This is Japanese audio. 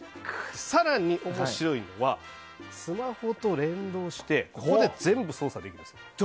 更に面白いのはスマホと連動してここで全部操作できます。